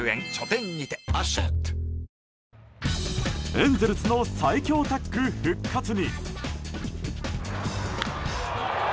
エンゼルスの最強タッグ復活に。